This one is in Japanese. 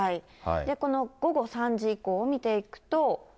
この午後３時以降を見ていくと。